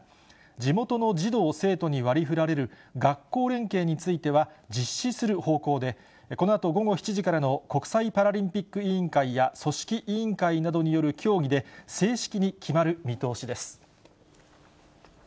地元の児童・生徒に割りふられる学校連携については、実施する方向で、このあと午後７時からの国際パラリンピック委員会や、組織委員会などによる協議で正式に決まる見通しです。